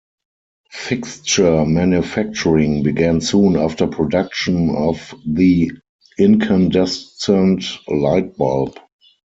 Fixture manufacturing began soon after production of the incandescent light bulb.